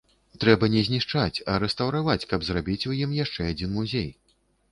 Трэба не знішчаць, а рэстаўраваць, каб зрабіць у ім яшчэ адзін музей.